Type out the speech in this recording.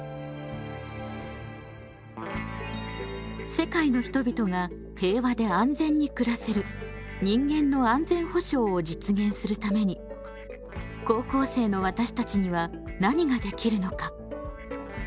世界の人々が平和で安全にくらせる「人間の安全保障」を実現するために高校生の私たちには何ができるのか？